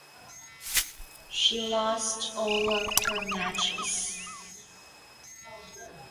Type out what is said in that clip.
She lost all of her matches.